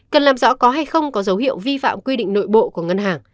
cần làm rõ có hay không có dấu hiệu vi phạm quy định nội bộ của ngân hàng